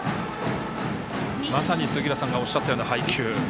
まさに杉浦さんがおっしゃったような配球。